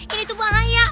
ini tuh bahaya